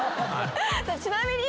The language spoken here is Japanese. ちなみに。